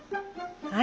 はい。